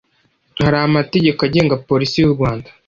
hari amategeko agenga polisi y’u rwanda